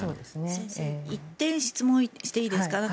先生１点、質問していいですか。